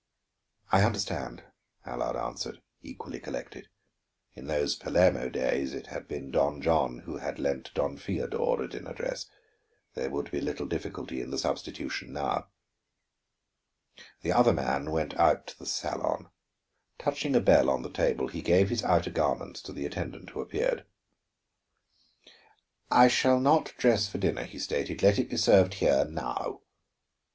"I understand," Allard answered, equally collected. In those Palermo days, it had been Don John who had lent Don Feodor a dinner dress; there would be little difficulty in the substitution now. The other man went out to the salon. Touching a bell on the table, he gave his outer garments to the attendant who appeared. "I shall not dress for dinner," he stated. "Let it be served here, now."